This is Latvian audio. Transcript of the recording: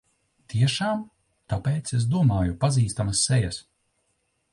Tiešām! Tāpēc es domāju pazīstamas sejas.